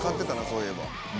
そういえば。